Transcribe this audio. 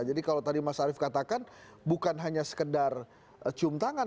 jadi kalau tadi mas arief katakan bukan hanya sekedar cium tangan nanti